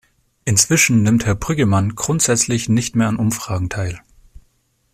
Inzwischen nimmt Herr Brüggemann grundsätzlich nicht mehr an Umfragen teil.